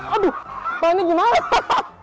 aduh panik gimana